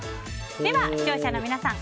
では視聴者の皆さん